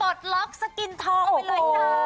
ตอดล็อกสกินทองไปเลย